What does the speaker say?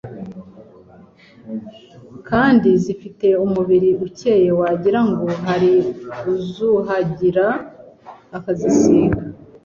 kandi zifite umubiri ukeye wagira ngo hari uzuhagira akazisiga